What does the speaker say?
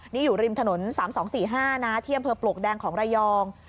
นี่อยู่ริมถนนสามสองสี่ห้านะเที่ยมเผลอปลกแดงของระยอง